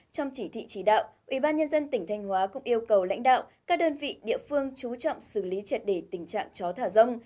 trong chỉ thị chỉ đạo ủy ban nhân dân tỉnh thanh hóa cũng yêu cầu lãnh đạo các đơn vị địa phương chú trọng xử lý trật để tình trạng chó thả rông